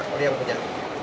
untuk yang punya